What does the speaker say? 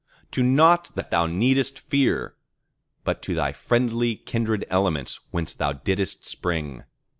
To nought that thou needest fear, but to the friendly kindred elements whence thou didst spring.